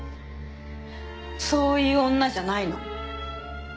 そういう女じゃないの。